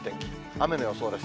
雨の予想です。